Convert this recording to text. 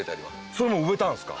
それも植えたんですか？